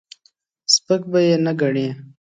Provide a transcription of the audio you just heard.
سپک به یې نه ګڼې.